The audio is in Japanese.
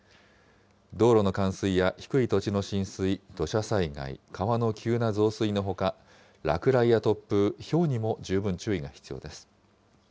道路の冠水や低い土地の浸水、土砂災害、川の急な増水のほか、落雷や突風、ひょうにも十分注意が必要です。